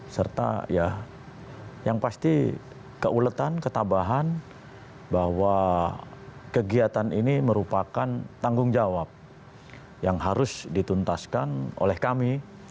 serta ya yang pasti keuletan ketabahan bahwa kegiatan ini merupakan tanggung jawab yang harus dituntaskan oleh kami